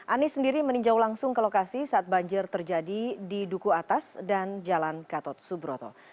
anies sendiri meninjau langsung ke lokasi saat banjir terjadi di duku atas dan jalan gatot subroto